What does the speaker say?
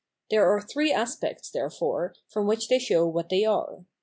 There are three aspects, therefore, from which they show what they are.